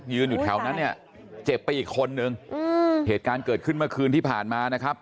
อยู่แถวนั้นเนี่ยเจ็บไปอีกคนนึงอืมเหตุการณ์เกิดขึ้นเมื่อคืนที่ผ่านมานะครับ